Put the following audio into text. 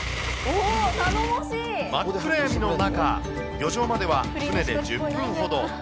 真っ暗闇の中、漁場までは船で１０分ほど。